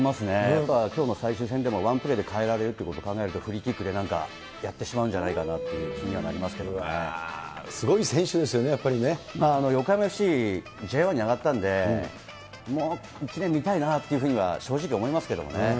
だからきょうの最終戦でもワンプレーで変えるということを考えると、フリーキックでなんか、やってしまうんじゃないかなってうわぁ、すごい選手ですよね、横浜ＦＣ、Ｊ１に上がったんで、もう見たいなっていうふうに正直、思いますけどもね。